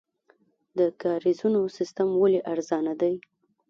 د کاریزونو سیستم ولې ارزانه دی؟